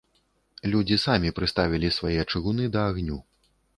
Людзі самі прыставілі свае чыгуны да агню.